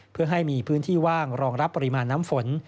เพื่อให้มีพื้นที่ว่างรองรับปริมาณน้ำฝน